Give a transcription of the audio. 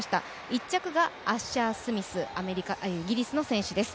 １着がアッシャースミス、イギリスの選手です。